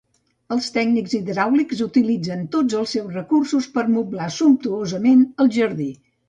Els tècnics hidràulics utilitzen tots els seus recursos per moblar sumptuosament el jardí.